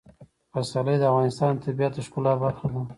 پسرلی د افغانستان د طبیعت د ښکلا برخه ده.